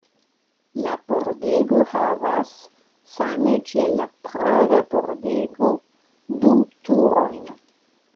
La pordego havas, same kiel la Praga pordego, du turojn.